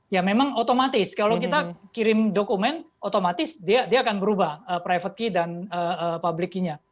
ya memang otomatis kalau kita kirim dokumen otomatis dia akan berubah private key dan public key nya